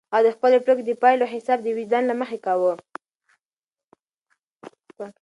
هغه د خپلو پرېکړو د پایلو حساب د وجدان له مخې کاوه.